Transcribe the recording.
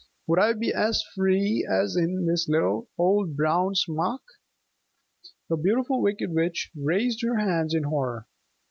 Would I be as free as in this little old brown smock?" The Beautiful Wicked Witch raised her hands in horror.